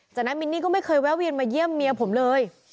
จากนั้นมินนี่ก็ไม่เคยแวะเวียนมาเยี่ยมเมียผมเลย